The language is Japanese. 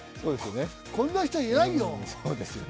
こんな人いないよ。